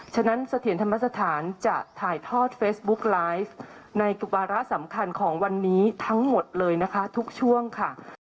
ฉะนั้นเสถียรธรรมสถานจะถ่ายทอดเฟซบุ๊กไลฟ์ในวาระสำคัญของวันนี้ทั้งหมดเลยนะคะทุกช่วงค่ะ